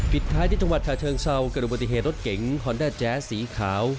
ปิดท้ายที่จังหวัดถาเชิงเศร้ากระดูกบุติเหตุรถเก๋งคอนด้าแจ๊สสีขาว